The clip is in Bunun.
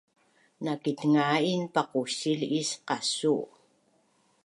nakitnga’in paqusil is qasu